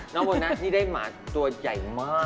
นะคะน้องโบนัสนี่ได้หมาตัวใหญ่มาก